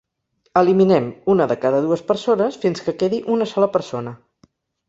Eliminem una de cada dues persones fins que quedi una sola persona.